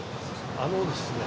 あのですね